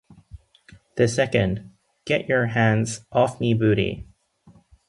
The second, Get Y'er Hands Off 'Me Booty!